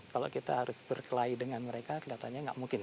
kalau kita harus berkelahi dengan mereka kelihatannya nggak mungkin